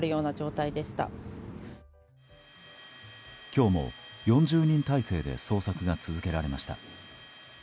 今日も４０人態勢で捜索が続けられました。